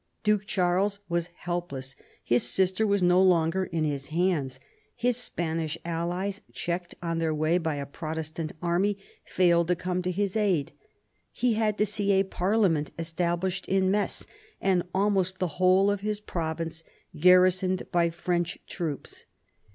Duke Charles was helpless ; his sister was no longer in his hands; his Spanish allies, checked on their way by a Protestant army, failed to come to his aid. He had to see a parliament established in Metz and almost the whole of his province garrisoned by French troops.